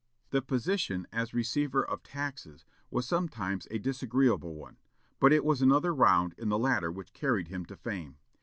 The position as receiver of taxes was sometimes a disagreeable one, but it was another round in the ladder which carried him to fame.